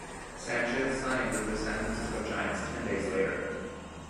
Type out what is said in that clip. Sanchez signed with the San Francisco Giants ten days later.